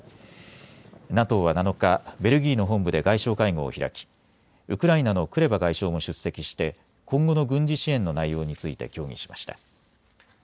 ＮＡＴＯは７日、ベルギーの本部で外相会合を開きウクライナのクレバ外相も出席して今後の軍事支援の内容について協議しました。